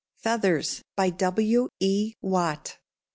_ FEATHERS. W. E. WATT.